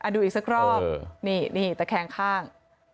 ดูอีกสักรอบนี่นี่ตะแคงข้าง